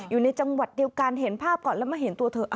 อยู่ในจังหวัดเดียวกันเห็นภาพก่อนแล้วมาเห็นตัวเธอ